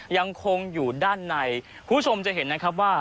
ยังคงอยู่ด้านในคุณผู้ชมจะเห็นนะครับว่า